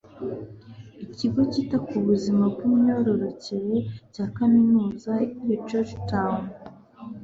ikigo cyita ku buzima b imyororokere cya kaminuza ya georgetown